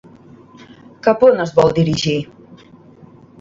Cap on es vol dirigir?